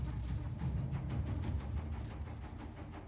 ทำไมฟันมันออก